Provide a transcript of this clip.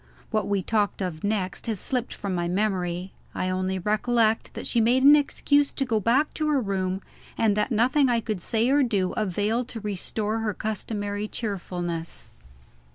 What we talked of next has slipped from my memory. I only recollect that she made an excuse to go back to her room, and that nothing I could say or do availed to restore her customary cheerfulness.